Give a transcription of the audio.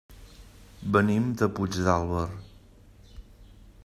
Venim de Puigdàlber.